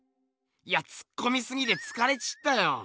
いやツッコミすぎてつかれちったよ。